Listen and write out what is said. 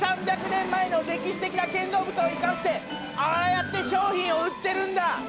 ２００３００年前の歴史的な建造物を生かしてああやって商品を売ってるんだ！